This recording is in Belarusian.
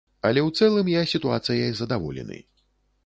Але ў цэлым я сітуацыяй задаволены.